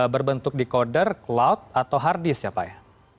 berbentuk decoder cloud atau hard disk ya pak ya